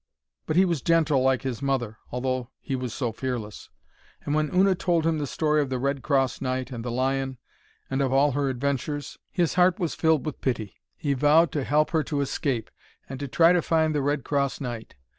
But he was gentle like his mother, although he was so fearless. And when Una told him the story of the Red Cross Knight and the lion, and of all her adventures, his heart was filled with pity. He vowed to help her to escape, and to try to find the Red Cross Knight.